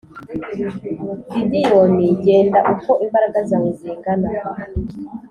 Didiyoni genda uko imbaraga zawe zihangana